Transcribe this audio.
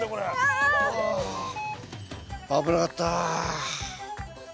はあ危なかった。